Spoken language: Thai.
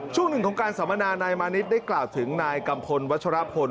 ช่วงหนึ่งของการสัมมนานายมานิดได้กล่าวถึงนายกัมพลวัชรพล